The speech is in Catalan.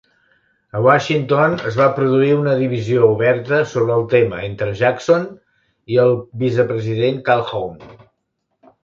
A Washington, es va produir una divisió oberta sobre el tema entre Jackson i el vicepresident Calhoun.